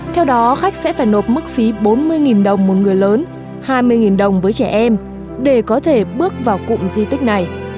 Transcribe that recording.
theo đó khách sẽ phải nộp mức phí bốn mươi đồng một người lớn hai mươi đồng với trẻ em để có thể bước vào cụm di tích này